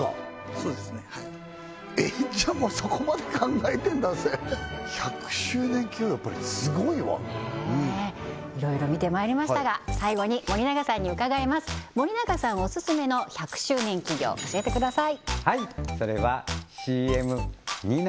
そうですねはいじゃあもうそこまで考えてんだぜ１００周年企業はやっぱりすごいわいろいろ見てまいりましたが最後に森永さんに伺います森永さんオススメの１００周年企業教えてください